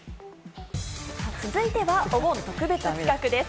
続いては、お盆特別企画です。